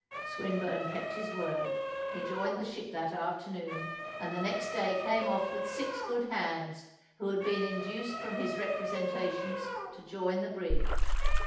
Swinburne kept his word; he joined the ship that afternoon, and the next day came off with six good hands, who had been induced from his representations to join the brig.